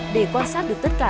để quan sát được tất cả